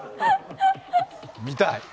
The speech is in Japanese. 見たい！